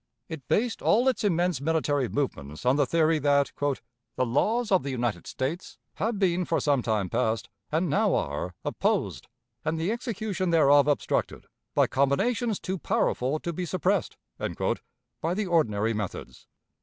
It based all its immense military movements on the theory that "the laws of the United States have been for some time past and now are opposed and the execution thereof obstructed, ... by combinations too powerful to be suppressed" by the ordinary methods.